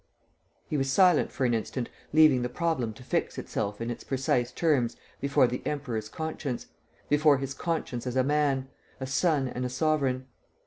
He was silent for an instant leaving the problem to fix itself in its precise terms before the Emperor's conscience, before his conscience as a man, a son and a sovereign.